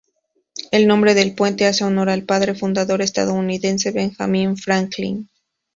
El nombre del puente hace honor al padre fundador estadounidense Benjamin Franklin.